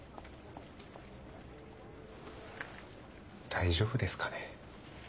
大丈夫ですかね？